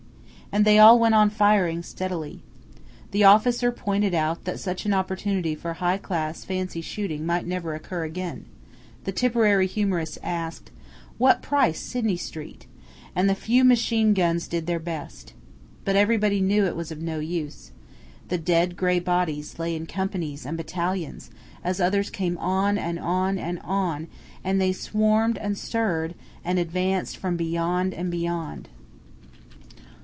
And they all went on firing steadily. The officer pointed out that such an opportunity for high class fancy shooting might never occur again; the Tipperary humorist asked, "What price Sidney Street?" And the few machine guns did their best. But everybody knew it was of no use. The dead gray bodies lay in companies and battalions, as others came on and on and on, and they swarmed and stirred, and advanced from beyond and beyond.